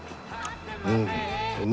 うん。